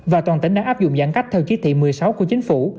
và toàn tỉnh đang áp dụng giãn cách theo chí thị một mươi sáu của chính phủ